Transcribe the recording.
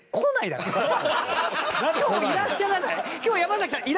今日いらっしゃらない。